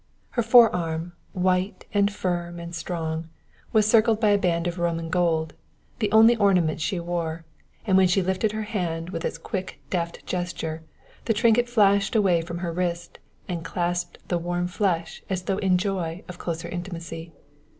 Her forearm, white and firm and strong, was circled by a band of Roman gold, the only ornament she wore, and when she lifted her hand with its quick deft gesture, the trinket flashed away from her wrist and clasped the warm flesh as though in joy of the closer intimacy.